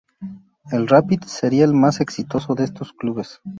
El Rapid sería el más exitoso de estos clubes.